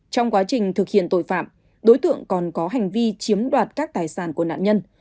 trong quá trình thực hiện tội phạm đối tượng còn có hành vi chiếm đoạt các tài sản của nạn nhân